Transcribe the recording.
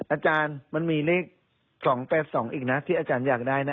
อาจารย์มันมีเลข๒๘๒อีกนะที่อาจารย์อยากได้นะ